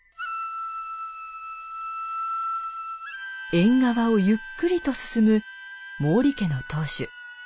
縁側をゆっくりと進む毛利家の当主。